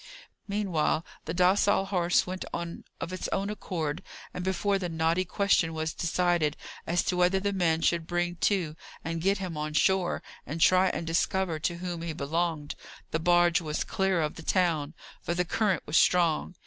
Meanwhile the docile horse went on of its own accord, and before the knotty question was decided as to whether the man should bring to, and get him on shore, and try and discover to whom he belonged, the barge was clear of the town, for the current was strong.